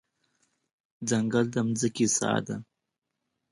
ځنګل د ځمکې ساه ده.